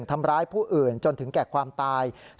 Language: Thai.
ทำร้ายผู้อื่นจนถึงแก่ความตาย